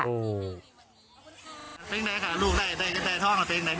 เป็นไหนค่ะลูกได้ทองหรือเป็นไหน